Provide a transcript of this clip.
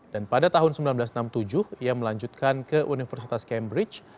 dan pada tahun seribu sembilan ratus enam puluh tujuh ia melanjutkan ke universitas cambridge